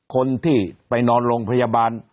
คนที่ไปนอนโรงพยาบาล